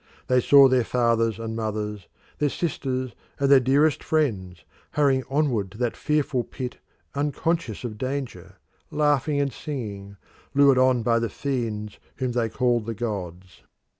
They saw their fathers and mothers, their sisters and their dearest friends, hurrying onward to that fearful pit unconscious of danger, laughing and singing, lured on by the fiends whom they called the gods.